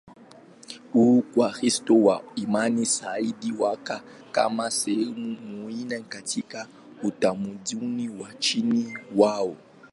huku Wakristo wa imani sahihi wakiwa kama sehemu muhimu katika utamaduni wa nchini mwao.